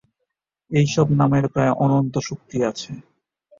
এইসব নামের প্রায় অনন্ত শক্তি আছে।